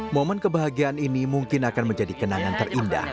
momen kebahagiaan ini mungkin akan menjadi kenangan terindah